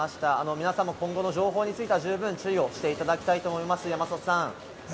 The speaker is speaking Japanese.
皆さんも今後の情報については十分注意をしていただきたいと思います、山里さん。